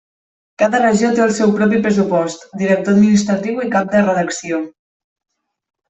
Cada regió té el seu propi pressupost, director administratiu i cap de redacció.